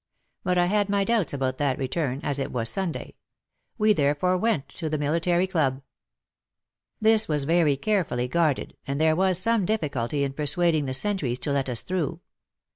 But I had my doubts about that return, as it was Sunday. We therefore went to the military club. This was very carefully guarded, and there was some difficulty in persuading the sentries to let us through.